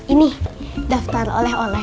ini daftar oleh oleh